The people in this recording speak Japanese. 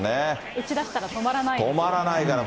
打ちだしたら止まらないですよ。